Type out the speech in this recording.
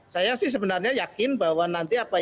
saya sih sebenarnya yakin bahwa nanti itu akan jadi